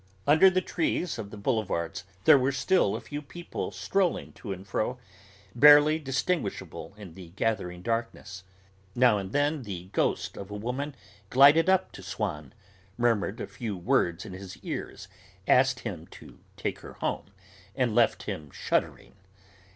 Under the trees of the boulevards there were still a few people strolling to and fro, barely distinguishable in the gathering darkness. Now and then the ghost of a woman glided up to Swann, murmured a few words in his ear, asked him to take her home, and left him shuddering.